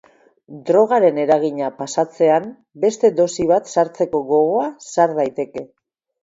Drogaren eragina pasatzean beste dosi bat sartzeko gogoa sar daiteke.